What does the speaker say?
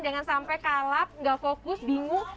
jangan sampai kalap gak fokus bingung